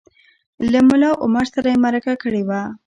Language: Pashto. له ملا عمر سره یې مرکه کړې وه